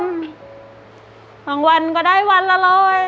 บางวันก็ได้วันละร้อย